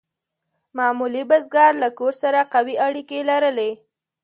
معمولي بزګر له کور سره قوي اړیکې لرلې.